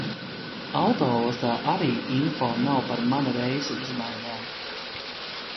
Autoostā arī info nav par mana reisa izmaiņām.